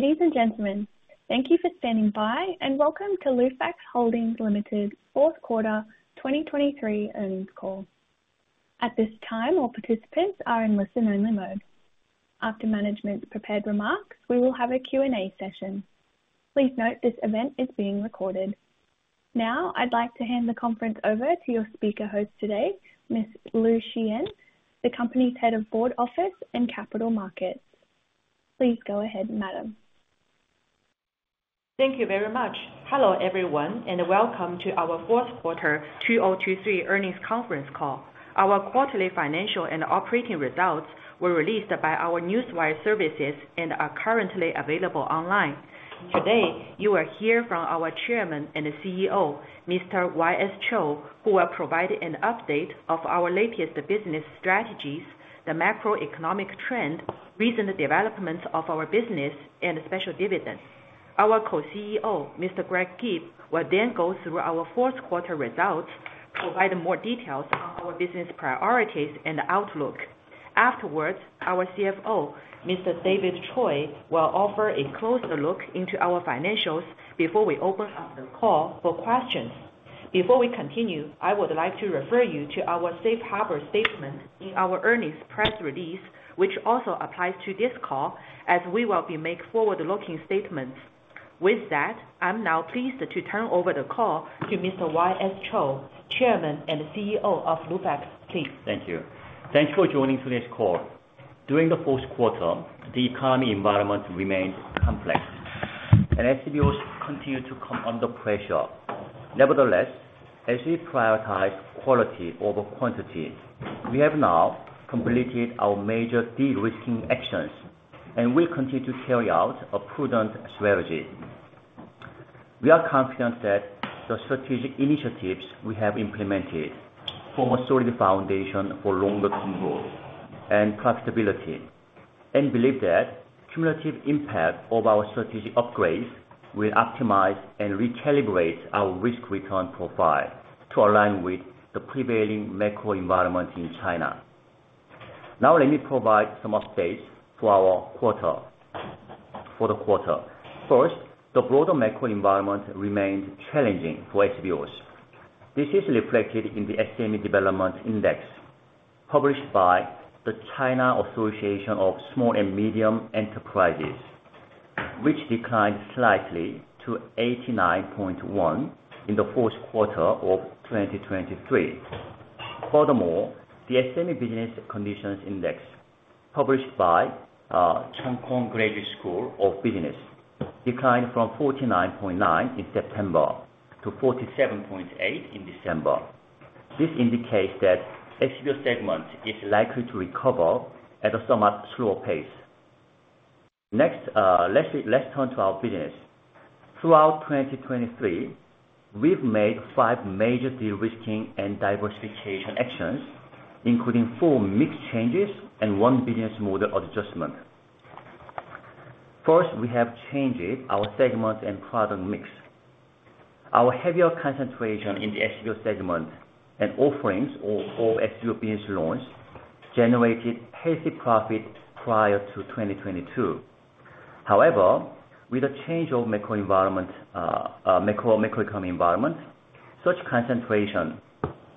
Ladies and gentlemen, thank you for standing by, and welcome to Lufax Holding Ltd Fourth Quarter 2023 Earnings Call. At this time, all participants are in listen-only mode. After management's prepared remarks, we will have a Q&A session. Please note, this event is being recorded. Now, I'd like to hand the conference over to your speaker host today, Ms. Liu Xian, the company's Head of Board Office and Capital Markets. Please go ahead, madam. Thank you very much. Hello, everyone, and welcome to our fourth quarter 2023 earnings conference call. Our quarterly financial and operating results were released by our Newswire services and are currently available online. Today, you will hear from our Chairman and CEO, Mr. Y.S. Cho, who will provide an update of our latest business strategies, the macroeconomic trend, recent developments of our business, and special dividends. Our Co-CEO, Mr. Greg Gibb, will then go through our fourth quarter results, provide more details on our business priorities and outlook. Afterwards, our CFO, Mr. David Choy, will offer a closer look into our financials before we open up the call for questions. Before we continue, I would like to refer you to our safe harbor statement in our earnings press release, which also applies to this call, as we will be making forward-looking statements. With that, I'm now pleased to turn over the call to Mr. Y.S. Cho, Chairman and CEO of Lufax. Please. Thank you. Thanks for joining today's call. During the fourth quarter, the economic environment remained complex, and SBOs continued to come under pressure. Nevertheless, as we prioritize quality over quantity, we have now completed our major de-risking actions and will continue to carry out a prudent strategy. We are confident that the strategic initiatives we have implemented form a solid foundation for longer-term growth and profitability, and believe that the cumulative impact of our strategic upgrades will optimize and recalibrate our risk-return profile to align with the prevailing macro environment in China. Now, let me provide some updates for the quarter. First, the broader macro environment remains challenging for SBOs. This is reflected in the SME Development Index, published by the China Association of Small and Medium Enterprises, which declined slightly to 89.1 in the fourth quarter of 2023. Furthermore, the SME Business Conditions Index, published by Cheung Kong Graduate School of Business, declined from 49.9 in September to 47.8 in December. This indicates that SBO segment is likely to recover at a somewhat slower pace. Next, let's turn to our business. Throughout 2023, we've made five major de-risking and diversification actions, including four mix changes and one business model adjustment. First, we have changed our segment and product mix. Our heavier concentration in the SBO segment and offerings of SBO business loans generated healthy profit prior to 2022. However, with the change of macroeconomic environment, such concentration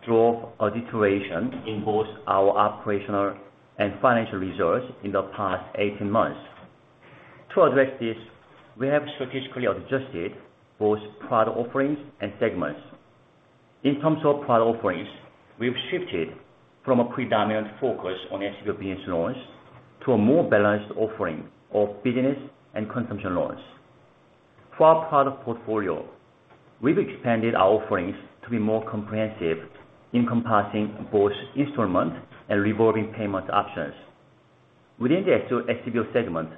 drove a deterioration in both our operational and financial results in the past 18 months. To address this, we have strategically adjusted both product offerings and segments. In terms of product offerings, we've shifted from a predominant focus on SBO business loans to a more balanced offering of business and consumption loans. For our product portfolio, we've expanded our offerings to be more comprehensive, encompassing both installment and revolving payment options. Within the SBO segment,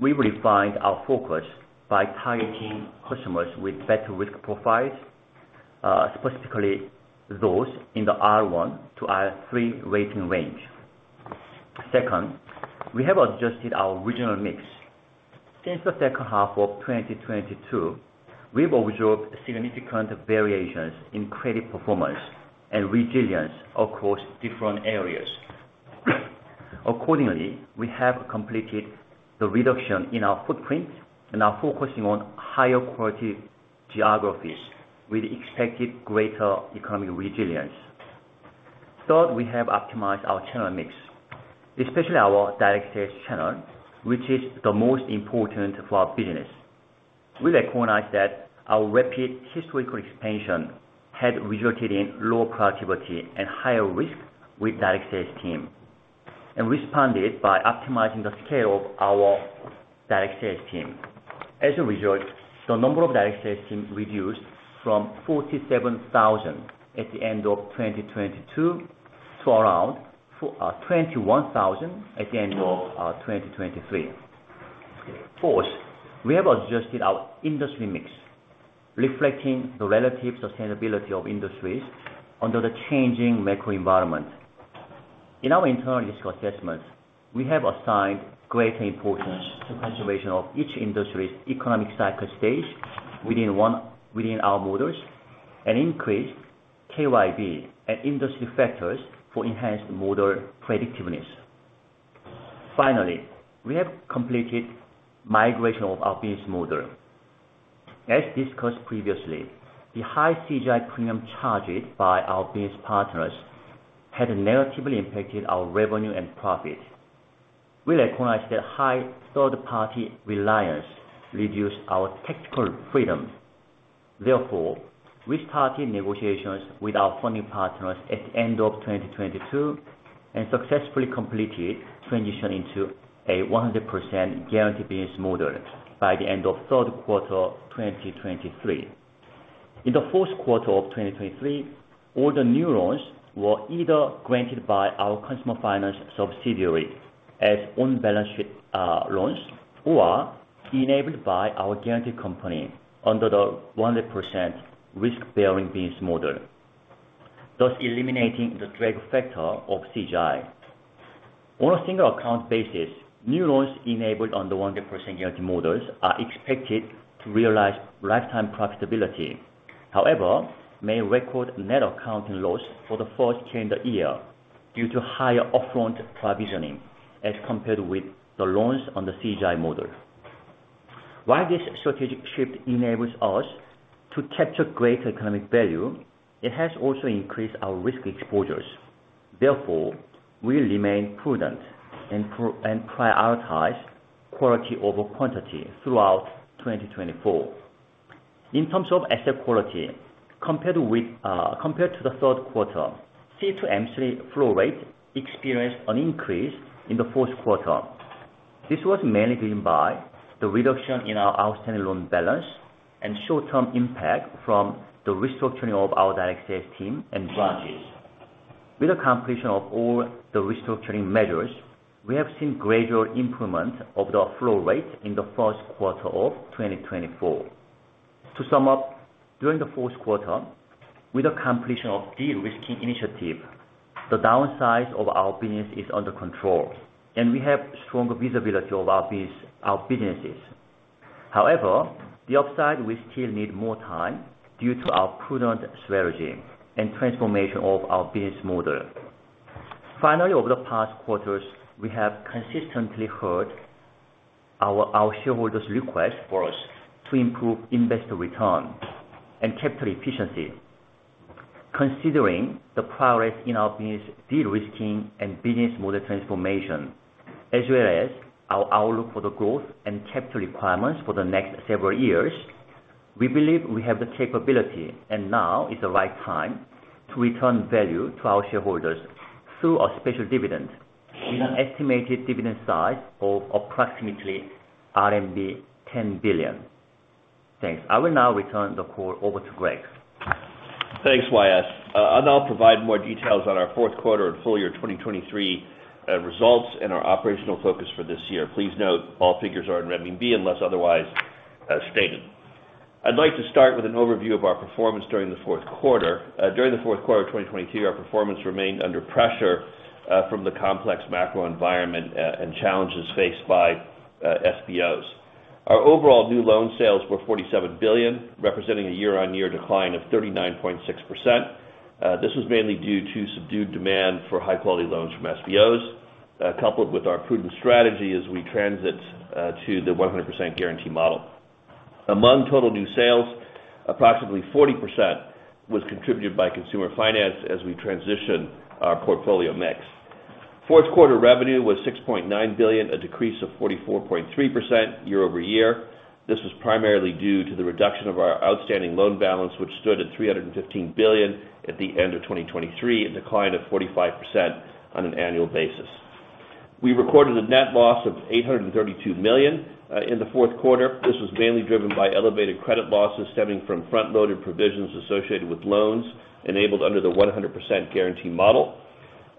we've refined our focus by targeting customers with better risk profiles, specifically those in the R1 to R3 rating range. Second, we have adjusted our regional mix. Since the second half of 2022, we've observed significant variations in credit performance and resilience across different areas. Accordingly, we have completed the reduction in our footprint and are focusing on higher quality geographies with expected greater economic resilience. Third, we have optimized our channel mix, especially our direct sales channel, which is the most important for our business. We recognized that our rapid historical expansion had resulted in lower productivity and higher risk with direct sales team, and responded by optimizing the scale of our direct sales team. As a result, the number of direct sales teams reduced from 47,000 at the end of 2022 to around 21,000 at the end of 2023. Fourth, we have adjusted our industry mix, reflecting the relative sustainability of industries under the changing macro environment. In our internal risk assessment, we have assigned greater importance to consideration of each industry's economic cycle stage within our models, and increased KYB and industry factors for enhanced model predictiveness. Finally, we have completed migration of our business model. As discussed previously, the high CGI premium charges by our business partners had negatively impacted our revenue and profit. We recognize that high third-party reliance reduced our tactical freedom. Therefore, we started negotiations with our funding partners at the end of 2022, and successfully completed transition into a 100% guarantee business model by the end of third quarter 2023. In the fourth quarter of 2023, all the new loans were either granted by our consumer finance subsidiary as on-balance sheet loans, or enabled by our guarantee company under the 100% risk-bearing business model, thus eliminating the drag factor of CGI. On a single account basis, new loans enabled on the 100% guarantee models are expected to realize lifetime profitability. However, may record net accounting loss for the first calendar year, due to higher upfront provisioning, as compared with the loans on the CGI model. While this strategic shift enables us to capture greater economic value, it has also increased our risk exposures. Therefore, we remain prudent and prioritize quality over quantity throughout 2024. In terms of asset quality, compared with, compared to the third quarter, C-M3 flow rate experienced an increase in the fourth quarter. This was mainly driven by the reduction in our outstanding loan balance and short-term impact from the restructuring of our direct sales team and branches. With the completion of all the restructuring measures, we have seen gradual improvement of the flow rate in the first quarter of 2024. To sum up, during the fourth quarter, with the completion of de-risking initiative, the downsize of our business is under control, and we have stronger visibility of our businesses. However, the upside, we still need more time due to our prudent strategy and transformation of our business model. Finally, over the past quarters, we have consistently heard our shareholders request for us to improve investor return and capital efficiency. Considering the progress in our business de-risking and business model transformation, as well as our outlook for the growth and capital requirements for the next several years, we believe we have the capability, and now is the right time, to return value to our shareholders through a special dividend, with an estimated dividend size of approximately ¥ 10 billion. Thanks. I will now return the call over to Greg. Thanks, Y.S. I'll now provide more details on our fourth quarter and full year 2023, results and our operational focus for this year. Please note, all figures are in ¥ unless otherwise stated. I'd like to start with an overview of our performance during the fourth quarter. During the fourth quarter of 2022, our performance remained under pressure from the complex macro environment and challenges faced by SBOs. Our overall new loan sales were ¥ 47 billion, representing a year-on-year decline of 39.6%. This was mainly due to subdued demand for high-quality loans from SBOs, coupled with our prudent strategy as we transit to the 100% guarantee model. Among total new sales, approximately 40% was contributed by consumer finance as we transition our portfolio mix. Fourth quarter revenue was ¥ 6.9 billion, a decrease of 44.3% year-over-year. This was primarily due to the reduction of our outstanding loan balance, which stood at ¥ 315 billion at the end of 2023, a decline of 45% on an annual basis. We recorded a net loss of ¥ 832 million in the fourth quarter. This was mainly driven by elevated credit losses stemming from front-loaded provisions associated with loans enabled under the 100% guarantee model,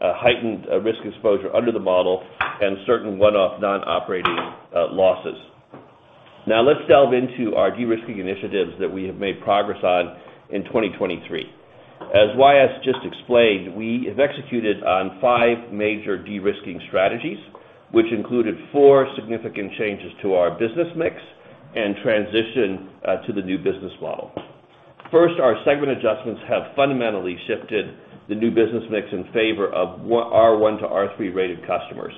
a heightened risk exposure under the model, and certain one-off non-operating losses. Now, let's delve into our de-risking initiatives that we have made progress on in 2023. As YS just explained, we have executed on five major de-risking strategies, which included four significant changes to our business mix and transition to the new business model. First, our segment adjustments have fundamentally shifted the new business mix in favor of R1 to R3-rated customers.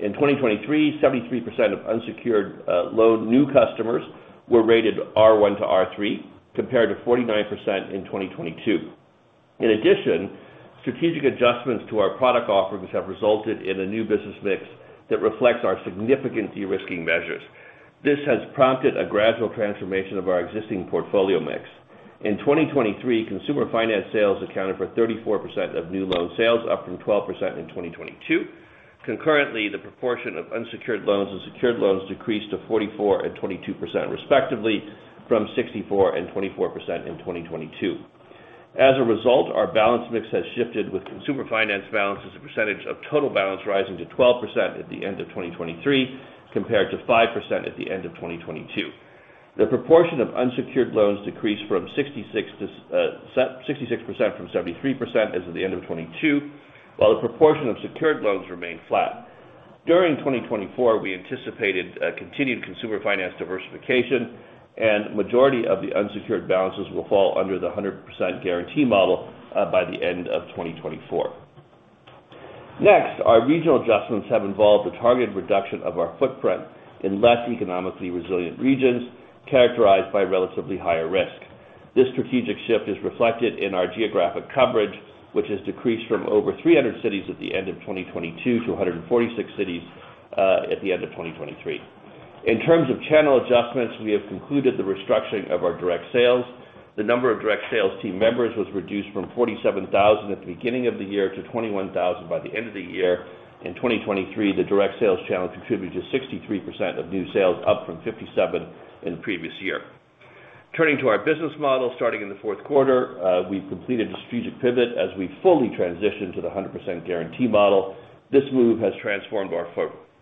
In 2023, 73% of unsecured loan new customers were rated R1 to R3, compared to 49% in 2022. In addition, strategic adjustments to our product offerings have resulted in a new business mix that reflects our significant de-risking measures. This has prompted a gradual transformation of our existing portfolio mix. In 2023, consumer finance sales accounted for 34% of new loan sales, up from 12% in 2022. Concurrently, the proportion of unsecured loans and secured loans decreased to 44% and 22% respectively, from 64% and 24% in 2022. As a result, our balance mix has shifted, with consumer finance balance as a percentage of total balance rising to 12% at the end of 2023, compared to 5% at the end of 2022. The proportion of unsecured loans decreased to 66% from 73% as of the end of 2022, while the proportion of secured loans remained flat. During 2024, we anticipated a continued consumer finance diversification, and majority of the unsecured balances will fall under the 100% Guarantee Model by the end of 2024. Next, our regional adjustments have involved the targeted reduction of our footprint in less economically resilient regions, characterized by relatively higher risk. This strategic shift is reflected in our geographic coverage, which has decreased from over 300 cities at the end of 2022 to 146 cities at the end of 2023. In terms of channel adjustments, we have concluded the restructuring of our direct sales. The number of direct sales team members was reduced from 47,000 at the beginning of the year to 21,000 by the end of the year. In 2023, the direct sales channel contributed to 63% of new sales, up from 57% in the previous year. Turning to our business model, starting in the fourth quarter, we completed a strategic pivot as we fully transitioned to the 100% guarantee model. This move has transformed our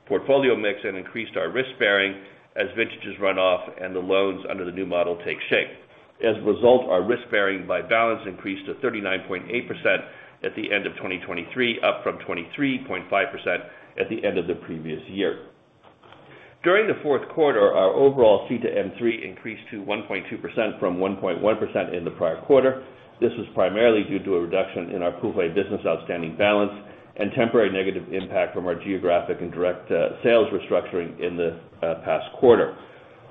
portfolio mix and increased our risk bearing as vintages run off and the loans under the new model take shape. As a result, our risk bearing by balance increased to 39.8% at the end of 2023, up from 23.5% at the end of the previous year. During the fourth quarter, our overall C-M3 increased to 1.2% from 1.1% in the prior quarter. This was primarily due to a reduction in our Puhui business outstanding balance and temporary negative impact from our geographic and direct sales restructuring in the past quarter.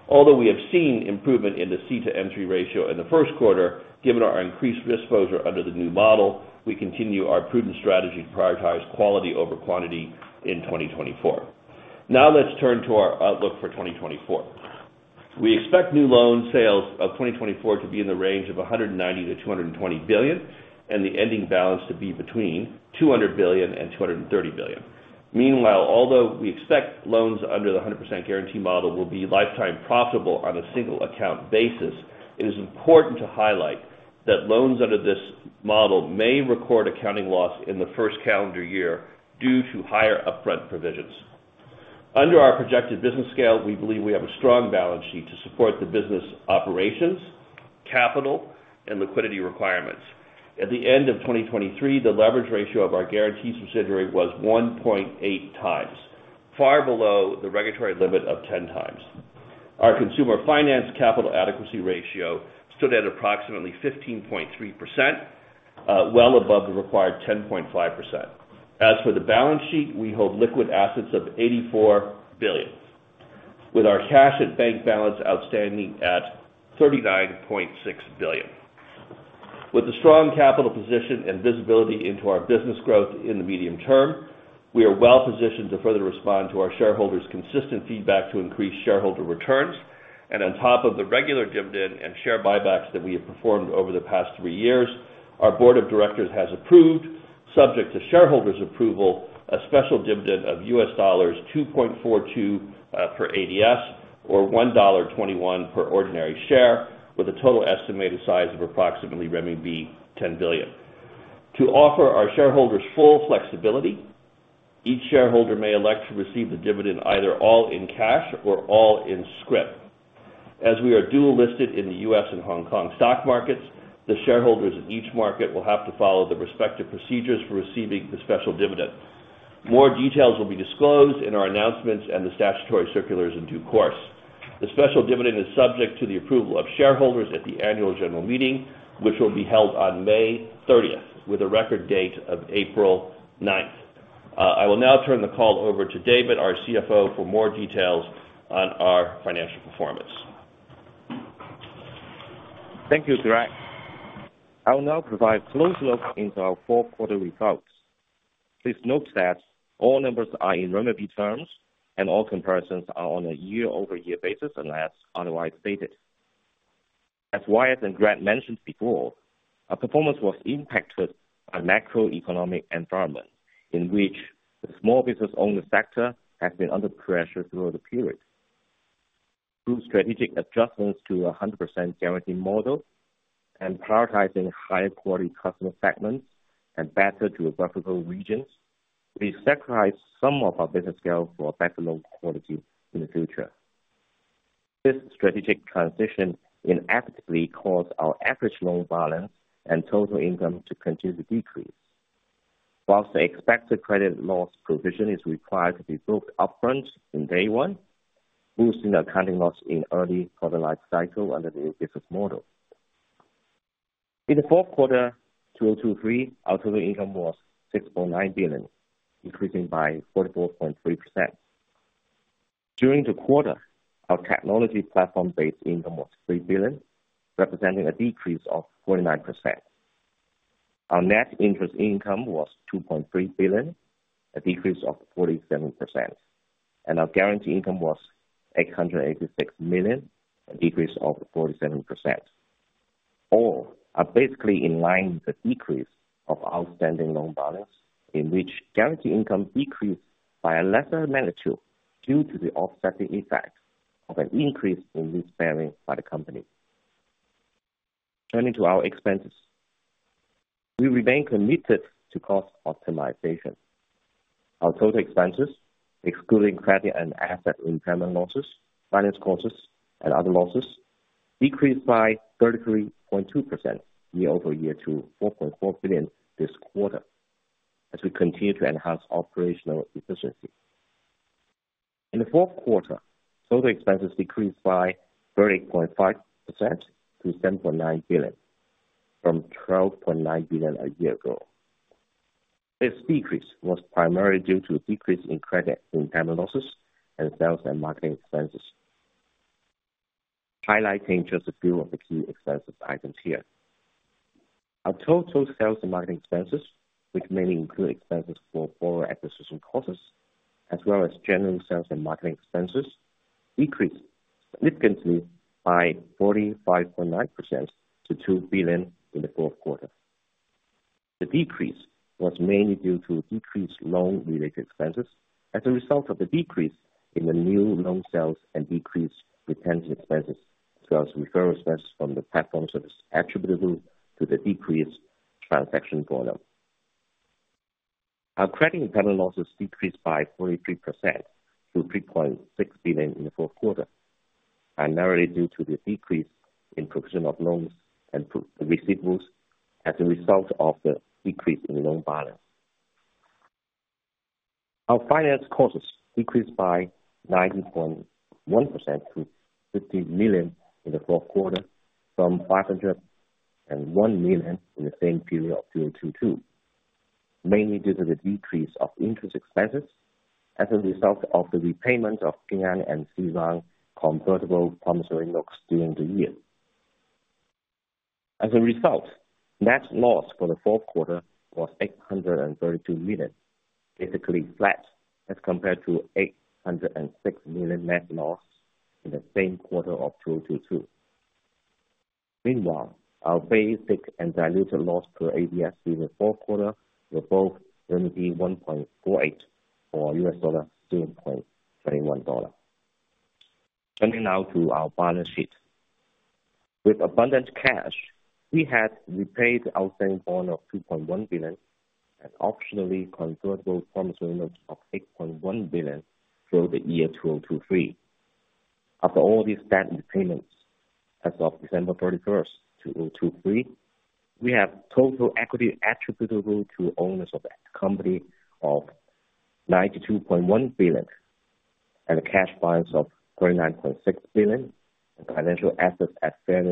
Although we have seen improvement in the C-M3 ratio in the first quarter, given our increased risk exposure under the new model, we continue our prudent strategy to prioritize quality over quantity in 2024. Now, let's turn to our outlook for 2024. We expect new loan sales of 2024 to be in the range of ¥ 190 billion-¥ 220 billion, and the ending balance to be between ¥ 200 billion and ¥ 230 billion. Meanwhile, although we expect loans under the 100% Guarantee Model will be lifetime profitable on a single account basis, it is important to highlight that loans under this model may record accounting loss in the first calendar year due to higher upfront provisions. Under our projected business scale, we believe we have a strong balance sheet to support the business operations, capital, and liquidity requirements. At the end of 2023, the leverage ratio of our guarantee subsidiary was 1.8 times, far below the regulatory limit of 10 times. Our consumer finance capital adequacy ratio stood at approximately 15.3%, well above the required 10.5%. As for the balance sheet, we hold liquid assets of ¥ 84 billion, with our cash and bank balance outstanding at ¥ 39.6 billion. With a strong capital position and visibility into our business growth in the medium term, we are well positioned to further respond to our shareholders' consistent feedback to increase shareholder returns. And on top of the regular dividend and share buybacks that we have performed over the past three years, our board of directors has approved, subject to shareholders' approval, a special dividend of $2.42 per ADS, or $1.21 per ordinary share, with a total estimated size of approximately ¥ 10 billion. To offer our shareholders full flexibility, each shareholder may elect to receive the dividend either all in cash or all in scrip. As we are dual listed in the U.S. and Hong Kong stock markets, the shareholders in each market will have to follow the respective procedures for receiving the special dividend. More details will be disclosed in our announcements and the statutory circulars in due course. The special dividend is subject to the approval of shareholders at the annual general meeting, which will be held on May 30th, with a record date of April 9th. I will now turn the call over to David, our CFO, for more details on our financial performance. Thank you, Greg. I will now provide a closer look into our fourth quarter results. Please note that all numbers are in renminbi terms, and all comparisons are on a year-over-year basis unless otherwise stated. As Y.S. and Greg mentioned before, our performance was impacted by macroeconomic environment in which the small business owner sector has been under pressure throughout the period. Through strategic adjustments to a 100% guarantee model and prioritizing higher quality customer segments and better geographical regions, we sacrificed some of our business scale for better loan quality in the future. This strategic transition inevitably caused our average loan balance and total income to continue to decrease. Whilst the expected credit loss provision is required to be booked upfront in day one, boosting accounting loss in early product life cycle under the new business model. In the fourth quarter, 2023, our total income was ¥ 6.9 billion, increasing by 44.3%. During the quarter, our technology platform-based income was ¥ 3 billion, representing a decrease of 49%. Our net interest income was ¥ 2.3 billion, a decrease of 47%, and our guarantee income was ¥ 886 million, a decrease of 47%. All are basically in line with the decrease of outstanding loan balance, in which guarantee income decreased by a lesser magnitude due to the offsetting effect of an increase in risk bearing by the company. Turning to our expenses. We remain committed to cost optimization. Our total expenses, excluding credit and asset impairment losses, finance costs, and other losses, decreased by 33.2% year-over-year to ¥ 4.4 billion this quarter, as we continue to enhance operational efficiency. In the 4th quarter, total expenses decreased by 30.5% to ¥ 7.9 billion, from ¥ 12.9 billion a year ago. This decrease was primarily due to a decrease in credit impairment losses and sales and marketing expenses. Highlighting just a few of the key expense items here. Our total sales and marketing expenses, which mainly include expenses for borrower acquisition costs, as well as general sales and marketing expenses, decreased significantly by 45.9% to ¥ 2 billion in the fourth quarter. The decrease was mainly due to decreased loan-related expenses as a result of the decrease in the new loan sales and decreased retention expenses, as well as referral expenses from the platform service attributable to the decreased transaction volume. Our credit impairment losses decreased by 43% to ¥ 3.6 billion in the fourth quarter, primarily due to the decrease in provision for loans and receivables as a result of the decrease in the loan balance. Our finance costs decreased by 90.1% to ¥ 50 million in the fourth quarter, from ¥ 501 million in the same period of 2022, mainly due to the decrease of interest expenses as a result of the repayment of Ping An and An Ke convertible promissory notes during the year. As a result, net loss for the fourth quarter was ¥ 832 million, basically flat as compared to ¥ 806 million net loss in the same quarter of 2022. Meanwhile, our basic and diluted loss per ADS in the fourth quarter were both ¥ 1.48 or $2.21. Turning now to our balance sheet. With abundant cash, we have repaid the outstanding bond of ¥ 2.1 billion and optionally convertible promissory notes of ¥ 8.1 billion through the year 2023. After all these debt repayments, as of December 31, 2023, we have total equity attributable to owners of the company of ¥ 92.1 billion, and a cash balance of ¥ 39.6 billion, and financial assets at fair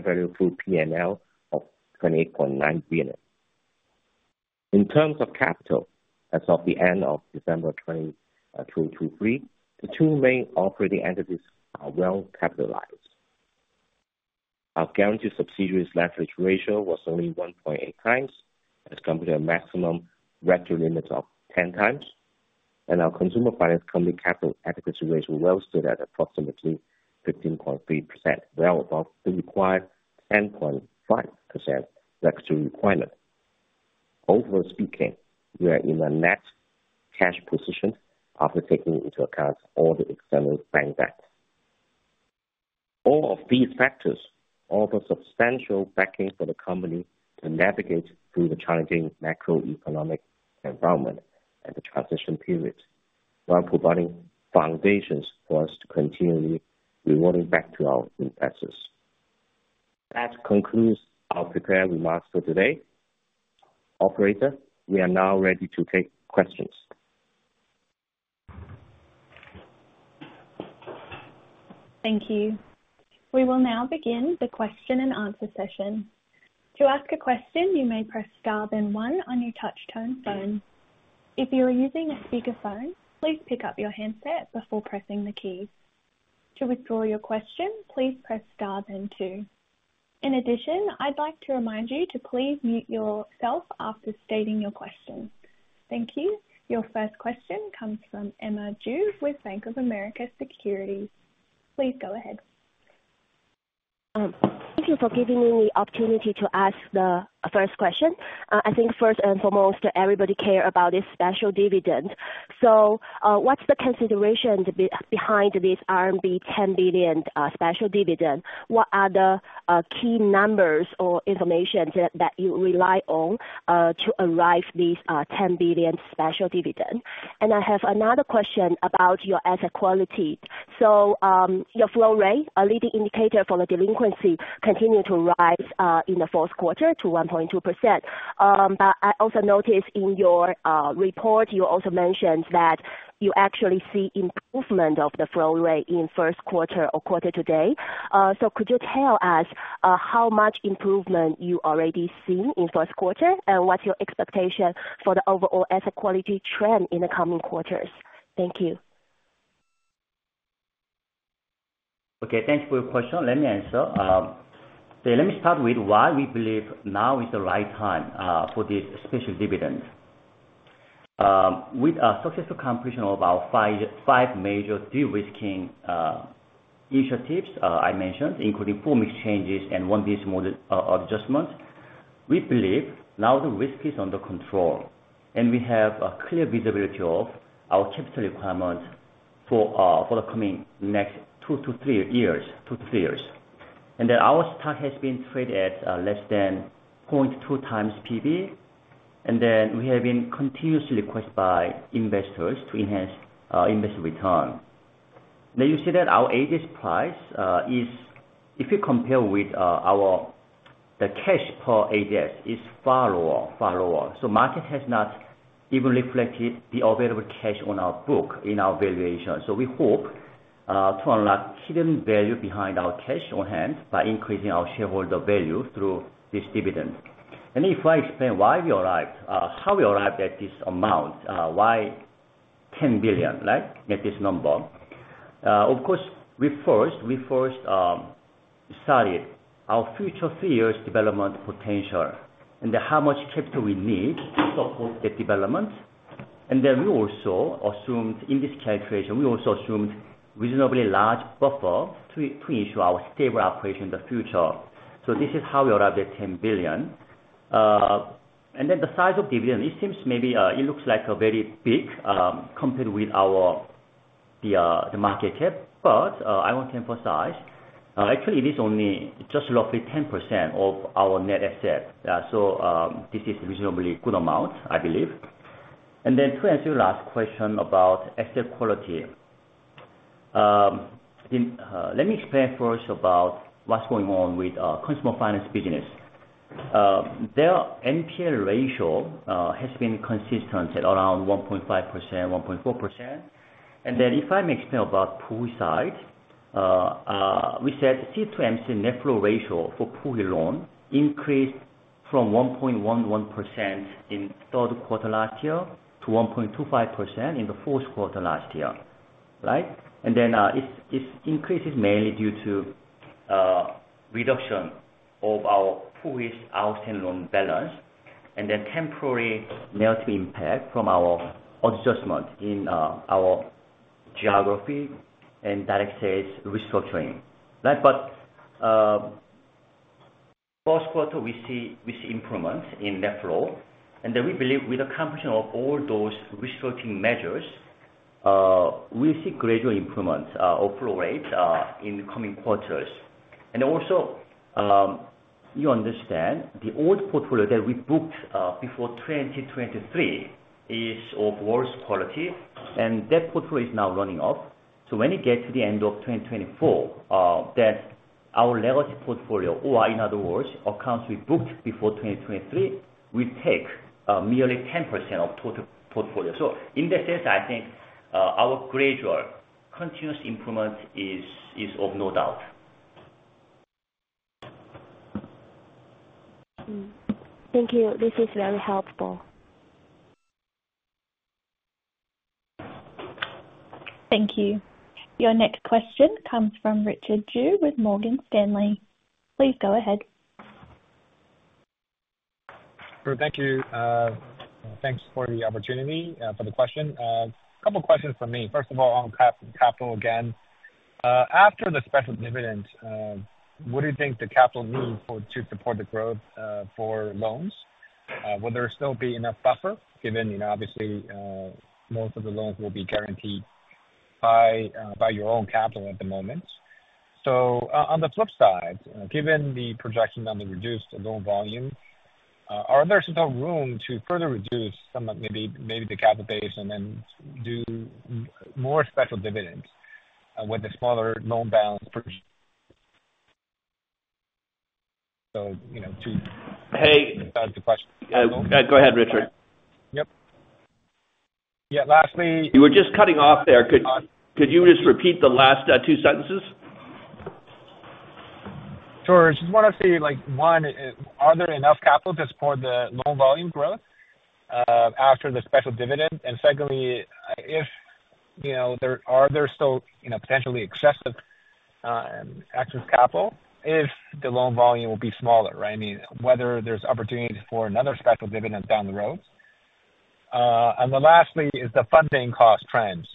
value through P&L of ¥ 28.9 billion. In terms of capital, as of the end of December 2023, the two main operating entities are well capitalized. Our guarantee subsidiaries leverage ratio was only 1.8 times, as compared to a maximum regulatory limit of 10 times, and our consumer finance company capital adequacy ratio well stood at approximately 15.3%, well above the required 10.5% regulatory requirement. Overall speaking, we are in a net cash position after taking into account all the external bank debt. All of these factors offer substantial backing for the company to navigate through the challenging macroeconomic environment and the transition period, while providing foundations for us to continually rewarding back to our investors. That concludes our prepared remarks for today. Operator, we are now ready to take questions. Thank you. We will now begin the question and answer session. To ask a question, you may press star then 1 on your touch-tone phone. If you are using a speakerphone, please pick up your handset before pressing the keys. To withdraw your question, please press star then 2. In addition, I'd like to remind you to please mute yourself after stating your question. Thank you. Your first question comes from Emma Xu with Bank of America Securities. Please go ahead. Thank you for giving me the opportunity to ask the first question. I think first and foremost, everybody care about this special dividend. So, what's the consideration behind this ¥ 10 billion special dividend? What are the key numbers or information that you rely on to arrive this 10 billion special dividend? And I have another question about your asset quality. So, your flow rate, a leading indicator for the delinquency, continued to rise in the 4th quarter to 1.2%. But I also noticed in your report, you also mentioned that you actually see improvement of the flow rate in first quarter or quarter to date. So, could you tell us how much improvement you already seen in first quarter, and what's your expectation for the overall asset quality trend in the coming quarters? Thank you. Okay, thanks for your question. Let me answer. So let me start with why we believe now is the right time for this special dividend. With our successful completion of our five major de-risking initiatives I mentioned, including four exchanges and one business model adjustment, we believe now the risk is under control, and we have a clear visibility of our capital requirements for the coming next 2-3 years. And then our stock has been traded at less than 0.2x PB... And then we have been continuously requested by investors to enhance investor return. Now, you see that our ADS price is, if you compare with our, the cash per ADS, far lower, far lower. So market has not even reflected the available cash on our book in our valuation. So we hope to unlock hidden value behind our cash on hand by increasing our shareholder value through this dividend. And if I explain why we arrived, how we arrived at this amount, why ¥ 10 billion, right? At this number. Of course, we first, we first studied our future three years development potential, and how much capital we need to support the development. And then we also assumed in this calculation, we also assumed reasonably large buffer to ensure our stable operation in the future. So this is how we arrived at ¥ 10 billion. And then the size of dividend, it seems maybe, it looks like a very big, compared with our the market cap, but, I want to emphasize, actually it is only just roughly 10% of our net asset. So, this is reasonably good amount, I believe. And then to answer your last question about asset quality. Let me explain first about what's going on with our consumer finance business. Their NPL ratio has been consistent at around 1.5%, 1.4%. And then if I may explain about Puhui side, we said C-M3 net flow ratio for Puhui loan increased from 1.11% in third quarter last year, to 1.25% in the fourth quarter last year, right? It increases mainly due to reduction of our poorest outstanding loan balance, and then temporary migration impact from our adjustment in our geography and direct sales restructuring. Right, but first quarter, we see improvements in net flow, and then we believe with the completion of all those restructuring measures, we see gradual improvements of flow rates in the coming quarters. And also, you understand, the old portfolio that we booked before 2023 is of worse quality, and that portfolio is now running off. So when you get to the end of 2024, that our legacy portfolio, or in other words, accounts we booked before 2023, will take merely 10% of total portfolio. So in that sense, I think our gradual continuous improvement is of no doubt. Hmm. Thank you. This is very helpful. Thank you. Your next question comes from Richard Xu with Morgan Stanley. Please go ahead. Thank you. Thanks for the opportunity for the question. Couple questions from me. First of all, on capital, again. After the special dividend, what do you think the capital need for to support the growth for loans? Will there still be enough buffer, given, you know, obviously, most of the loans will be guaranteed by your own capital at the moment. So on the flip side, given the projection on the reduced loan volume, are there still room to further reduce some of maybe, maybe the capital base and then do more special dividends with the smaller loan balance per So, you know, to- Hey- Answer the question. Go ahead, Richard. Yep. Yeah, lastly- You were just cutting off there. Could you just repeat the last two sentences? Sure. I just wanna say, like, one, are there enough capital to support the loan volume growth after the special dividend? And secondly, if, you know, there are there still, you know, potentially excessive excess capital if the loan volume will be smaller, right? I mean, whether there's opportunity for another special dividend down the road. And then lastly, is the funding cost trends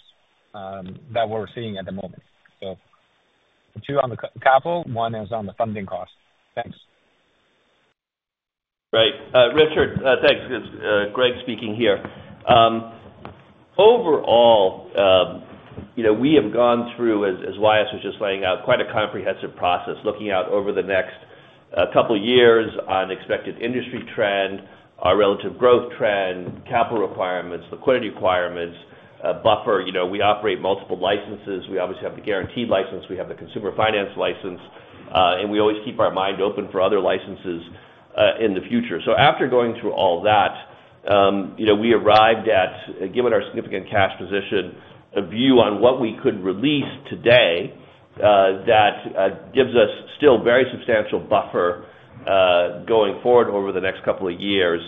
that we're seeing at the moment. So two on the capital, one is on the funding cost. Thanks. Right. Richard, thanks. It's, Greg speaking here. Overall, you know, we have gone through, as, as Y.S. was just laying out, quite a comprehensive process, looking out over the next couple years on expected industry trend, our relative growth trend, capital requirements, liquidity requirements, buffer. We operate multiple licenses. We obviously have the guaranteed license, we have the consumer finance license, and we always keep our mind open for other licenses, in the future. So after going through all that, we arrived at, given our significant cash position, a view on what we could release today, that gives us still very substantial buffer, going forward over the next couple of years.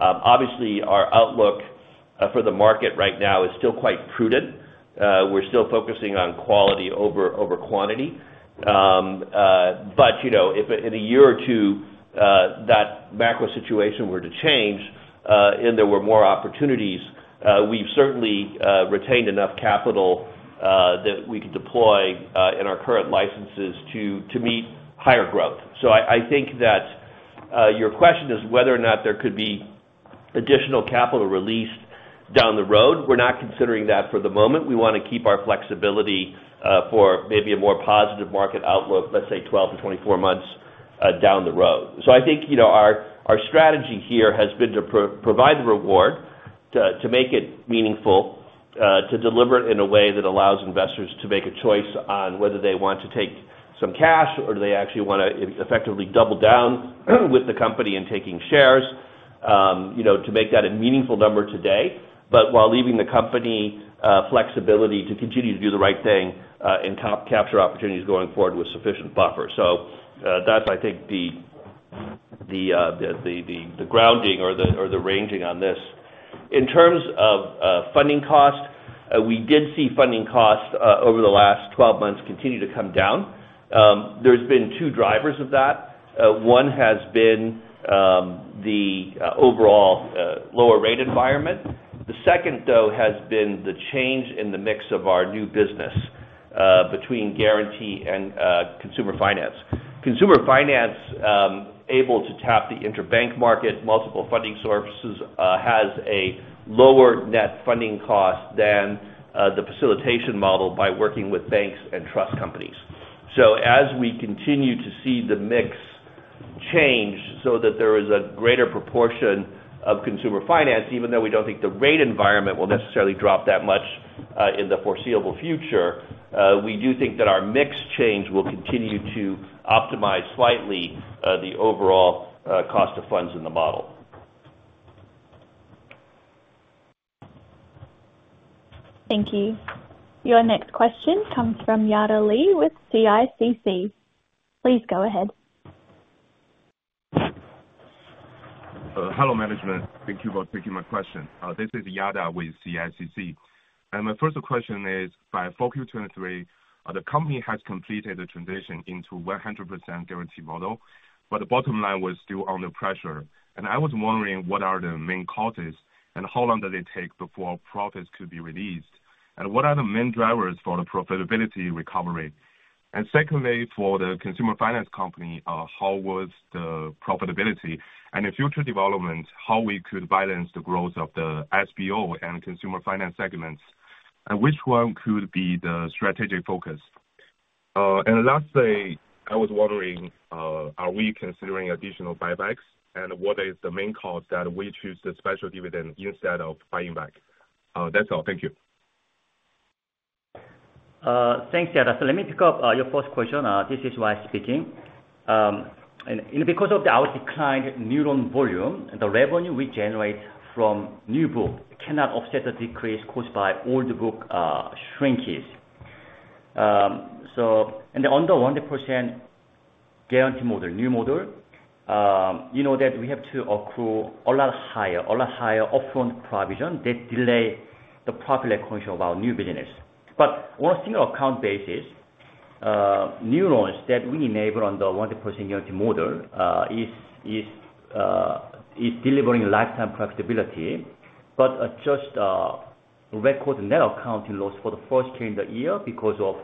Obviously, our outlook for the market right now is still quite prudent. We're still focusing on quality over quantity. But, if in a year or two that macro situation were to change and there were more opportunities, we've certainly retained enough capital that we could deploy in our current licenses to meet higher growth. So I think that your question is whether or not there could be additional capital released down the road? We're not considering that for the moment. We wanna keep our flexibility for maybe a more positive market outlook, let's say 12-24 months down the road. So I think, our strategy here has been to provide the reward, to make it meaningful, to deliver it in a way that allows investors to make a choice on whether they want to take some cash, or do they actually wanna effectively double down with the company in taking shares. You know, to make that a meaningful number today, but while leaving the company flexibility to continue to do the right thing, and capture opportunities going forward with sufficient buffer. So that's, I think, the grounding or the ranging on this. In terms of funding cost, we did see funding costs over the last 12 months continue to come down. There's been two drivers of that. One has been the overall lower rate environment. The second, though, has been the change in the mix of our new business between guarantee and consumer finance. Consumer finance able to tap the interbank market, multiple funding sources has a lower net funding cost than the facilitation model by working with banks and trust companies. So as we continue to see the mix change so that there is a greater proportion of consumer finance, even though we don't think the rate environment will necessarily drop that much in the foreseeable future, we do think that our mix change will continue to optimize slightly the overall cost of funds in the model. Thank you. Your next question comes from Yada Li with CICC. Please go ahead. Hello, management. Thank you for taking my question. This is Yada with CICC, and my first question is, by 4Q 2023, the company has completed the transition into 100% guarantee model, but the bottom line was still under pressure. I was wondering, what are the main causes, and how long does it take before profits could be released? What are the main drivers for the profitability recovery? Secondly, for the consumer finance company, how was the profitability? In future development, how we could balance the growth of the SBO and consumer finance segments, and which one could be the strategic focus? Lastly, I was wondering, are we considering additional buybacks? What is the main cause that we choose the special dividend instead of buying back? That's all. Thank you. Thanks, Yada. So let me pick up your first question. This is Y speaking. And because of our declined new loan volume, the revenue we generate from new book cannot offset the decrease caused by old book shrinkages. So, and under 100% guarantee model, new model, you know that we have to accrue a lot higher upfront provision that delay the profit recognition of our new business. But on a single account basis, new loans that we enable on the 100% guarantee model is delivering lifetime profitability, but just record net accounting loss for the first quarter in the year because of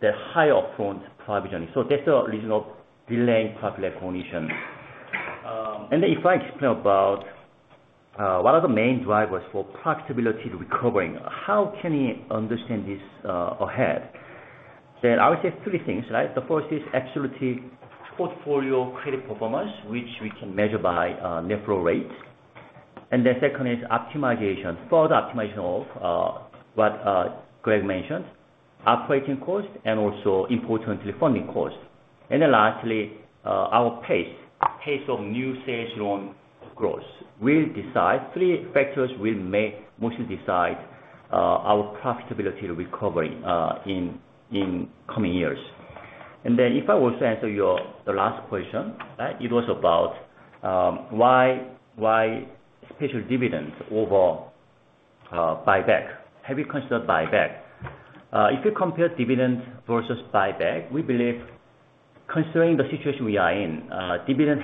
the higher upfront provisioning. So that's the reason of delaying profit recognition. If I explain about what are the main drivers for profitability recovering, how can we understand this ahead? Then I would say three things, right? The first is actually portfolio credit performance, which we can measure by net flow rates. The second is further optimization of what Greg mentioned, operating costs and also importantly, funding costs. Then lastly, three factors will mostly decide our profitability recovery in coming years. Then if I was to answer your last question, right? It was about why special dividends over buyback? Have you considered buyback? If you compare dividends versus buyback, we believe considering the situation we are in, dividend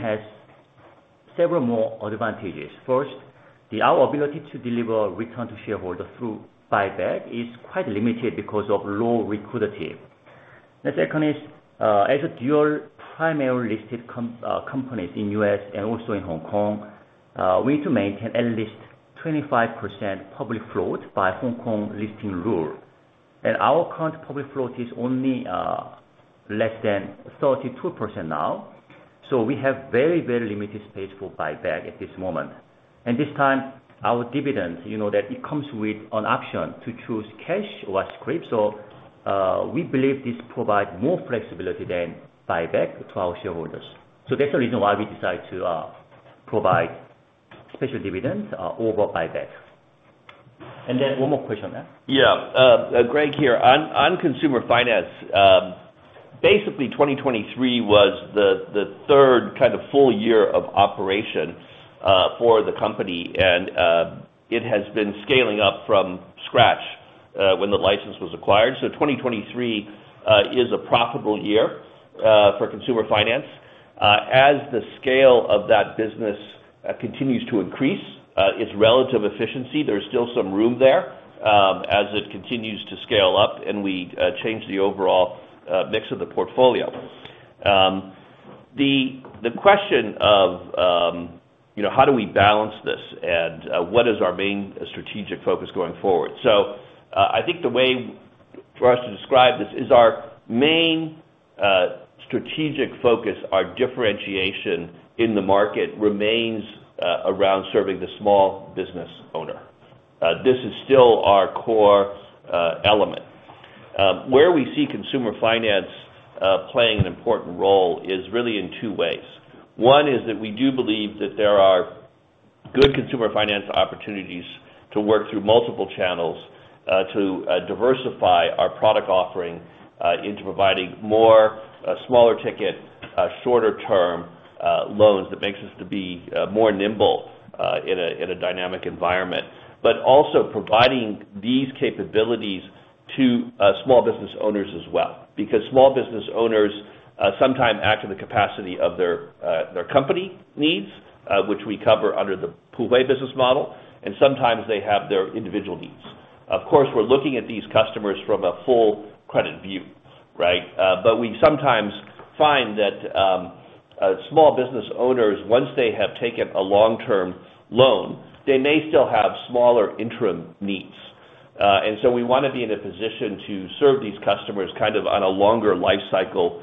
has several more advantages. First, our ability to deliver return to shareholder through buyback is quite limited because of low liquidity. The second is, as a dual primary listed companies in U.S. and also in Hong Kong, we need to maintain at least 25% public float by Hong Kong listing rule. And our current public float is only, less than 32% now, so we have very, very limited space for buyback at this moment. And this time, our dividends, you know, that it comes with an option to choose cash or scrip. So, we believe this provides more flexibility than buyback to our shareholders. So that's the reason why we decide to, provide special dividends, over buyback. And then one more question, yeah. Yeah. Greg here. On consumer finance, basically 2023 was the third kind of full year of operation for the company. It has been scaling up from scratch when the license was acquired. 2023 is a profitable year for consumer finance. As the scale of that business continues to increase, its relative efficiency, there's still some room there, as it continues to scale up and we change the overall mix of the portfolio. The question of, you know, how do we balance this, and what is our main strategic focus going forward? I think the way for us to describe this is our main strategic focus, our differentiation in the market remains around serving the small business owner. This is still our core element. Where we see consumer finance playing an important role is really in two ways. One is that we do believe that there are good consumer finance opportunities to work through multiple channels, to diversify our product offering into providing more smaller ticket shorter term loans that makes us to be more nimble in a dynamic environment. But also providing these capabilities to small business owners as well, because small business owners sometimes act in the capacity of their company needs, which we cover under the Puhui business model, and sometimes they have their individual needs. Of course, we're looking at these customers from a full credit view, right? But we sometimes find that, small business owners, once they have taken a long-term loan, they may still have smaller interim needs. And so we wanna be in a position to serve these customers kind of on a longer life cycle,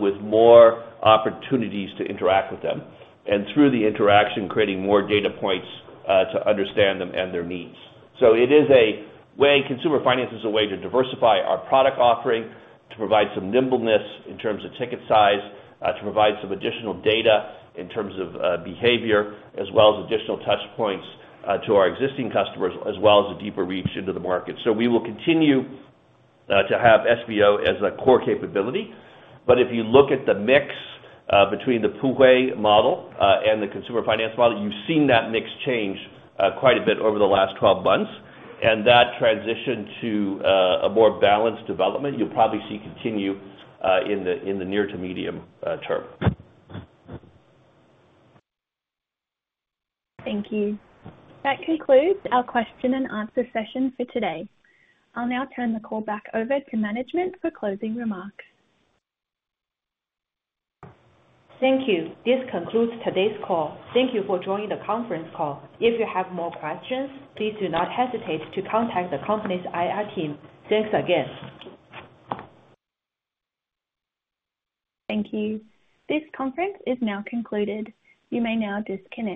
with more opportunities to interact with them, and through the interaction, creating more data points, to understand them and their needs. So it is a way, consumer finance is a way to diversify our product offering, to provide some nimbleness in terms of ticket size, to provide some additional data in terms of, behavior, as well as additional touchpoints, to our existing customers, as well as a deeper reach into the market. So we will continue to have SBO as a core capability, but if you look at the mix between the Puhui model and the consumer finance model, you've seen that mix change quite a bit over the last 12 months, and that transition to a more balanced development, you'll probably see continue in the near to medium term. Thank you. That concludes our question and answer session for today. I'll now turn the call back over to management for closing remarks. Thank you. This concludes today's call. Thank you for joining the conference call. If you have more questions, please do not hesitate to contact the company's IR team. Thanks again. Thank you. This conference is now concluded. You may now disconnect.